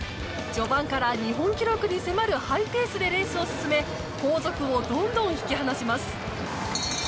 序盤から日本記録に迫るハイペースでレースを進め後続をどんどん引き離します。